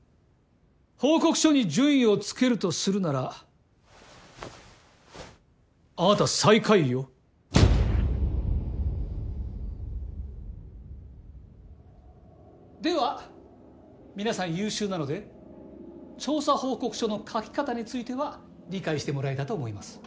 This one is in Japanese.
報告書に順位をつけるとするならあなた最下位よ。では皆さん優秀なので調査報告書の書き方については理解してもらえたと思います。